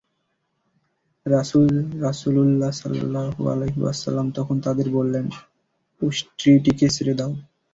রাসূল রাসূলুল্লাহ সাল্লাল্লাহু আলাইহি ওয়াসাল্লাম তখন তাদের বললেন, উষ্ট্রীটিকে ছেড়ে দাও।